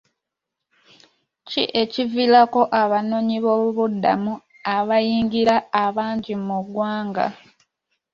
Ki ekiviirako abanoonyiboobubudamu abayingira abangi mu ggwanga?